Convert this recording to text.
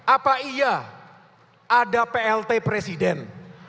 apa iya ada plt presiden